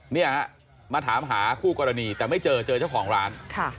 มีมาถามหาผู้กรณีแต่ไม่เจอเจอเจ้าของร้าน